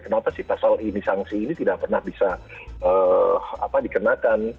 kenapa sih pasal ini sanksi ini tidak pernah bisa dikenakan